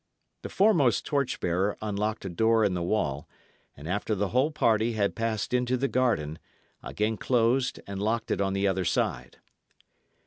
The foremost torch bearer unlocked a door in the wall, and after the whole party had passed into the garden, again closed and locked it on the other side.